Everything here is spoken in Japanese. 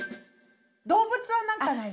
動物は何かない？